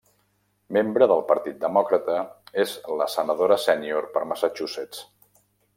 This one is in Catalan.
Membre del Partit Demòcrata, és la senadora sènior per Massachusetts.